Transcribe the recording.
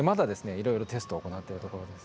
いろいろテストを行ってるところです。